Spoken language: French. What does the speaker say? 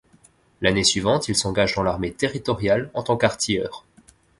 L'année suivante, il s'engage dans l'armée territoriale en tant qu'artilleur.